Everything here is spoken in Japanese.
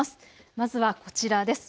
まずはこちらです。